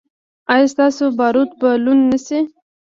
ایا ستاسو باروت به لوند نه شي؟